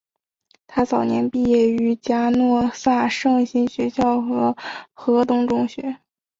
她早年毕业于嘉诺撒圣心学校和何东中学。